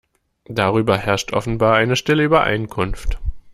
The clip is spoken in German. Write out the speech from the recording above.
Darüber herrscht offenbar eine stille Übereinkunft.